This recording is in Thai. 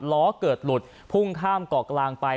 ล้อเกิดหลุดพุ่งข้ามเกาะกลางไป